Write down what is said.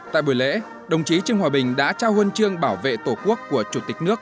tại buổi lễ đồng chí trương hòa bình đã trao huân chương bảo vệ tổ quốc của chủ tịch nước